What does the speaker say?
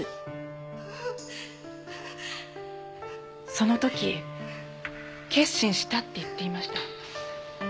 その時決心したって言っていました。